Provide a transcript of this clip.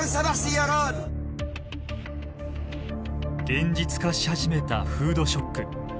現実化し始めたフードショック。